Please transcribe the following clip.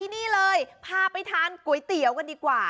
นี่เลยพาไปทานก๋วยเตี๋ยวกันดีกว่า